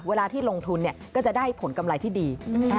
เวลาที่ลงทุนก็จะได้ผลกำไรที่ดี